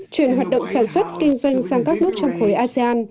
chuyển hoạt động sản xuất kinh doanh sang các nước trong khối asean